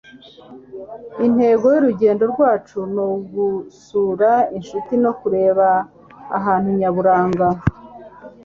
intego y'urugendo rwacu ni ugusura inshuti no kureba ahantu nyaburanga